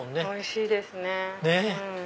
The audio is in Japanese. おいしいですね。